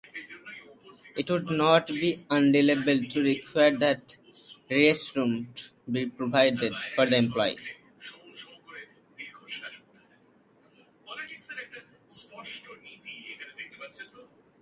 It would not be unreasonable to require that restrooms be provided for the employees.